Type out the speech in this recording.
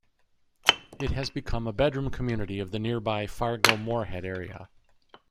It has become a bedroom community of the nearby Fargo-Moorhead area.